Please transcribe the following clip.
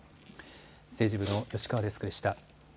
政治部の吉川デスクでした。